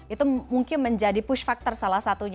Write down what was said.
itu mungkin menjadi push factor salah satunya